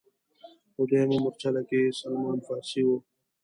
په دویمه مورچله کې سلمان فارسي و.